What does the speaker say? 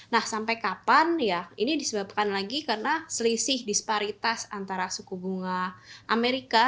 nah sampai kapan ya ini disebabkan lagi karena selisih disparitas antara suku bunga amerika